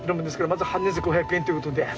まず半日５００円ということで。